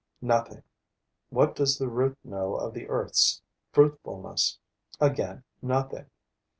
Nothing. What does the root know of the earth's fruitfulness? Again nothing.